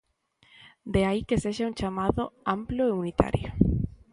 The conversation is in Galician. De aí que sexa un chamado amplo e unitario.